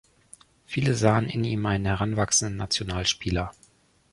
Viele sahen in ihm einen heranwachsenden Nationalspieler.